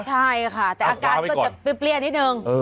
ใช่ค่ะแต่อาการก็จะเปรี้ยนิดนึง